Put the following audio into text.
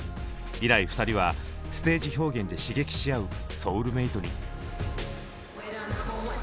以来２人はステージ表現で刺激し合うソウルメートに。